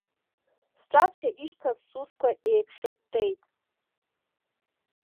Сҿаԥхьа ишьҭаз сусқәа еиԥхьыттеит.